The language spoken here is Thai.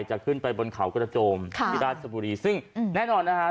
จะขึ้นไปบนเขากระโจมที่ราชบุรีซึ่งแน่นอนนะฮะ